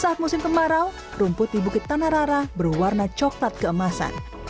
saat musim kemarau rumput di bukit tanarara berwarna coklat keemasan